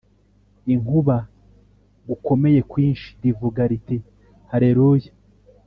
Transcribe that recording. inkuba gukomeye kwinshi rivuga riti Haleluya